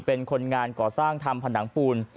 เป็นคนงานก่อสร้างทำผนังปูน